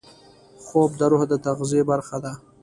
خوب د روح د تغذیې برخه ده